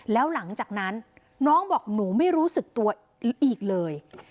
แล้วหลังจากนั้นน้องบอกหนูไม่รู้สึกตัวอีกเลย